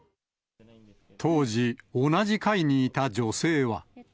当時、同じ階にいた女性は。